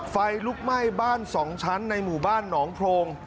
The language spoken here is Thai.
ไฟลุกไหม้บ้าน๒ชั้นในหมู่บ้านหนองโพรง